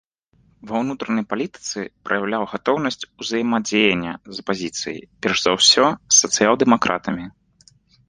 Ва ўнутранай палітыцы праяўляў гатоўнасць ўзаемадзеяння з апазіцыяй, перш за ўсё з сацыял-дэмакратамі.